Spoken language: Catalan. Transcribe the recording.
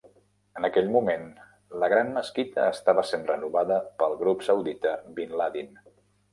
En aquell moment, la Gran Mesquita estava sent renovada pel Grup Saudita Binladin.